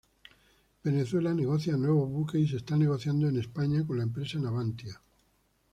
Venezuela negocia nuevos buques y se están negociando en España con la empresa Navantia.